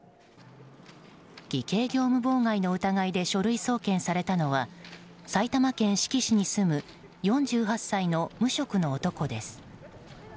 偽計業務妨害の疑いで書類送検されたのは埼玉県志木市に住む４８歳の無職の男です。